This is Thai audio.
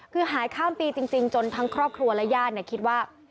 คือหายข้ามปีจริงจนทั้งครอบครัวและญาติคิดว่า